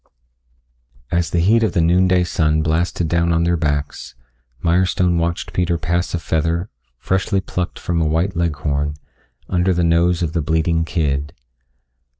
As the heat of the noon day sun blasted down on their backs, Mirestone watched Peter pass a feather, freshly plucked from a white Leghorn, under the nose of the bleating kid.